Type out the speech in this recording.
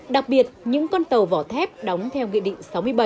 đặc biệt những con tàu vỏ thép đóng theo nghị định sáu mươi bảy